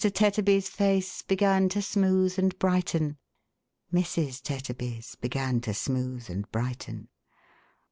Tetterby's face began to smooth and brighten; Mrs. Tetterby's began to smooth and brighten.